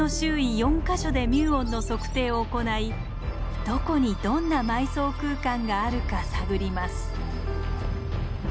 ４か所でミューオンの測定を行いどこにどんな埋葬空間があるか探ります。